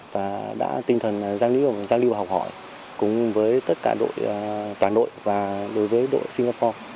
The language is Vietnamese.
và đã tinh thần giao lưu và học hỏi cùng với tất cả đội toàn đội và đối với đội singapore